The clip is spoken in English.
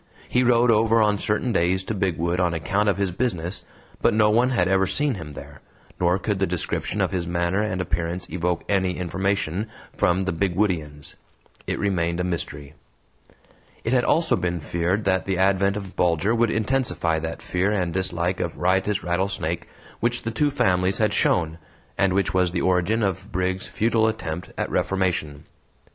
He rode over on certain days to Bigwood on account of his business, but no one had ever seen him there, nor could the description of his manner and appearance evoke any information from the Bigwoodians. It remained a mystery. It had also been feared that the advent of Bulger would intensify that fear and dislike of riotous Rattlesnake which the two families had shown, and which was the origin of Briggs's futile attempt at reformation.